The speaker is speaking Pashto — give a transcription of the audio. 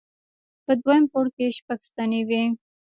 په دوهم پوړ کې شپږ ستنې وې.